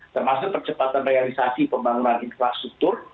termasuk percepatan realisasi pembangunan infrastruktur